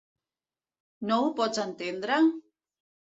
No ho pots entendre?